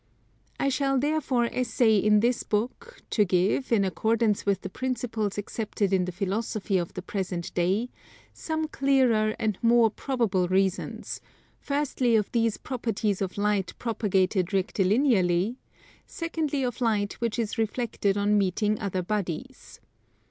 I shall therefore essay in this book, to give, in accordance with the principles accepted in the Philosophy of the present day, some clearer and more probable reasons, firstly of these properties of light propagated rectilinearly; secondly of light which is reflected on meeting other bodies.